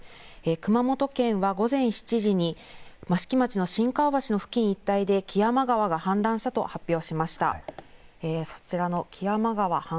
熊本県は午前７時に益城町の新川橋付近一帯で木山川が氾濫したと発表しました。